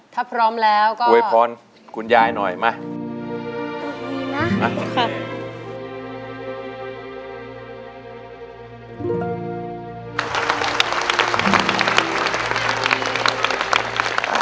ถ้าพร้อมแล้วก็อวยพรคุณยายหน่อยมา